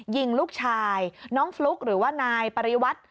ยิงลูกชายน้องฟลุ๊กหรือว่านายปริวัติ